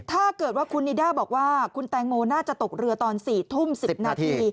ถ้าเกิดว่าคุณนิด้าบอกว่าคุณแตงโมน่าจะตกเรือตอน๔ทุ่ม๑๐นาที